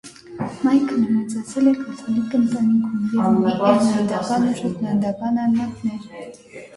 Մայքլը մեծացել է կաթոլիկ ընտանիքում և ունի իռլանդական ու շոտլանդական արմատներ։